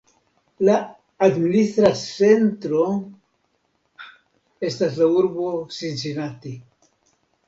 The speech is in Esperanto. La administra centro estas la urbo Cincinnati.